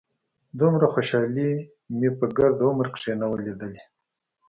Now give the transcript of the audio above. دومره خوشالي مې په ګرد عمر کښې نه وه ليدلې.